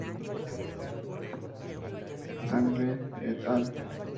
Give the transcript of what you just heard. Dahlgren "et al.